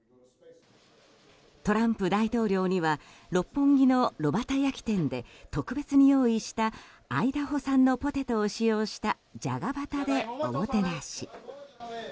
トランプ大統領には六本木の炉端焼き店で特別に用意したアイダホ産のポテトを使用したじゃがバタでおもてなし。